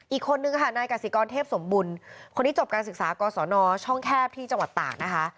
อีกคนนึงค่ะนายกสิกรเทพสมบุญคนที่จบการศึกษากศนช่องแคบที่จังหวัดตากนะคะ